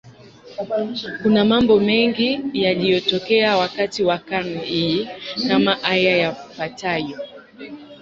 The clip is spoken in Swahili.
Kuna mambo mengi yaliyotokea wakati wa karne hii, kama haya yafuatayo.